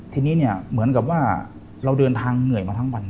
ทีนี้เนี่ยเหมือนกับว่าเราเดินทางเหนื่อยมาทั้งวัน